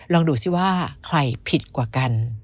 ลองดูซิว่าใครผิดกว่ากัน